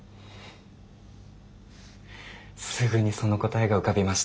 すぐにその答えが浮かびました。